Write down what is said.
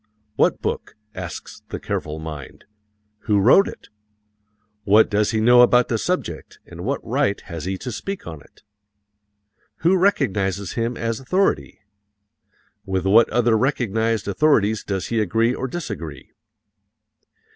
"What book?" asks the careful mind. "Who wrote it? What does he know about the subject and what right has he to speak on it? Who recognizes him as authority? With what other recognized authorities does he agree or disagree?"